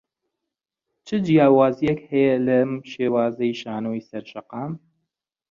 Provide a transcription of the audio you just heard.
چ جیاوازییەک هەیە لەم شێوازەی شانۆی سەر شەقام؟